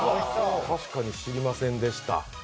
確かに知りませんでした。